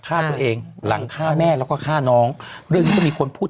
ฆ่าตัวเองหลังฆ่าแม่แล้วก็ฆ่าน้องเรื่องนี้ก็มีคนพูด